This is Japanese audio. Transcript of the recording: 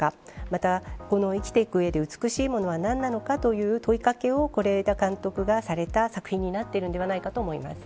また、この生きていく上で美しいものは何なのかという問い掛けを是枝監督がされた作品になっているんではないかと思います。